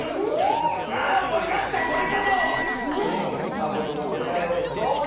サボどのこたえをぞうど！